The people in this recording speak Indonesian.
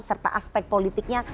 serta aspek politiknya